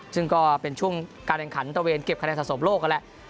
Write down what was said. ซึ่งก็เป็นช่วงการแข่งขันตะเวนเก็บคะแนนสะสมโลกนั่นแหละ